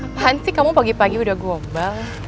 apaan sih kamu pagi pagi udah gombal